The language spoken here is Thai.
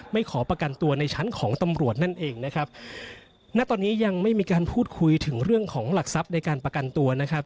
ขอประกันตัวในชั้นของตำรวจนั่นเองนะครับณตอนนี้ยังไม่มีการพูดคุยถึงเรื่องของหลักทรัพย์ในการประกันตัวนะครับ